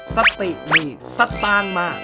สติมีสตางมาก